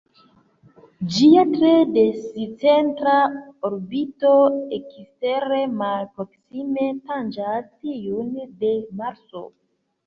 Ĝia tre discentra orbito ekstere malproksime tanĝas tiun de Marso.